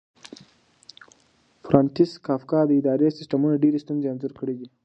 فرانتس کافکا د اداري سیسټمونو ډېرې ستونزې انځور کړې دي.